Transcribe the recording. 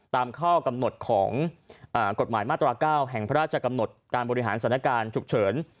ตามข้อกำหนดของกฎหมายมาตรา๙แห่งพระราชกำหนดการบริหารสถานการณ์ฉุกเฉิน